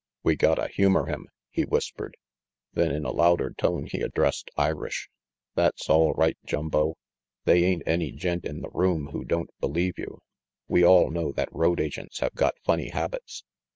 "We gotta humor him," he whispered; then in a louder tone he addressed Irish. "That's all right, Jumbo. They ain't any gent in the room who don't believe you. We all know that road agents have got funny habits.